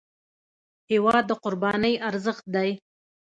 هېواد د قربانۍ ارزښت دی.